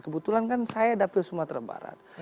kebetulan kan saya dapil sumatera barat